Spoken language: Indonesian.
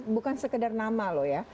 bukan sekedar nama loh ya